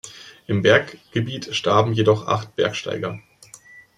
Im Berggebiet starben jedoch acht Bergsteiger.